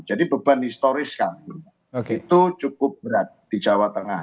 jadi beban historis kami itu cukup berat di jawa tengah